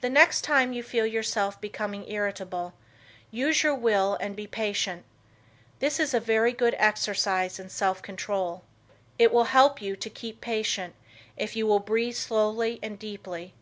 The next time you feel yourself becoming irritable, use your will and be patient. This is a very good exercise in self control. It will help you to keep patient if you will breathe slowly and deeply.